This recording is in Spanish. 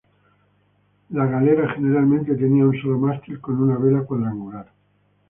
La galera generalmente tenía un solo mástil con una vela cuadrangular.